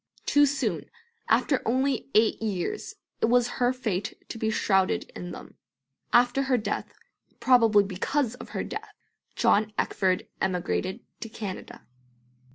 Too soon, after only eight years, it was her fate to be shrouded in them. After her death probably because of her death John Eckford emigrated to Canada.